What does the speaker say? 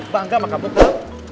bangga maka betul